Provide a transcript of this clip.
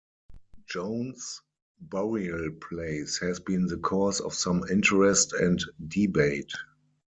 Joan's burial place has been the cause of some interest and debate.